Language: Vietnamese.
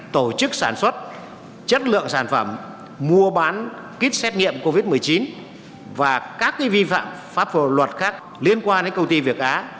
tổ chức sản xuất chất lượng sản phẩm mua bán kit xét nghiệm covid một mươi chín và các vi phạm pháp luật khác liên quan đến công ty việt á